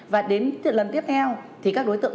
và đến lần tiếp theo thì các đối tượng